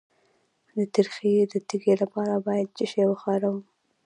د تریخي د تیږې لپاره باید څه شی وکاروم؟